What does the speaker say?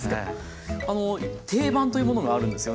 定番というものがあるんですよね。